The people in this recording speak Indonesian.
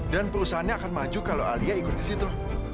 dan perusahaannya akan maju kalau alia ikut di situ